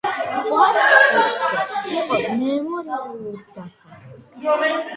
კვარცხლბეკზე იყო მემორიალური დაფა.